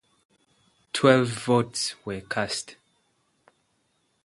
Twelve votes were cast.